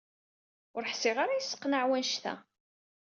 Ur ḥsiɣ ara yesseqnaɛ wanect-a.